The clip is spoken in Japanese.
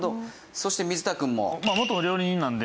そして水田くんも？